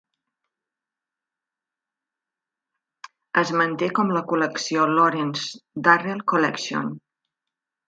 Es manté com la col·lecció Lawrence Durrell Collection.